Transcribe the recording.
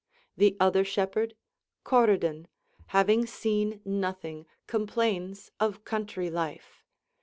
The other shepherd, Coridon, having seen nothing, complains of country life.